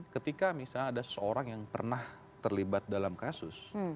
ketika misalnya ada seseorang yang pernah terlibat dalam kasus